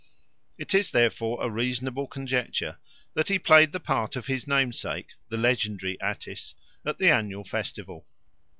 It is therefore a reasonable conjecture that he played the part of his namesake, the legendary Attis, at the annual festival.